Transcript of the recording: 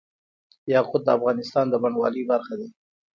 یاقوت د افغانستان د بڼوالۍ برخه ده.